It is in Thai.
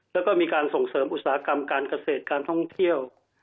แล้วก็มีการส่งเสริมอุตสาหกรรมการเกษตรการท่องเที่ยว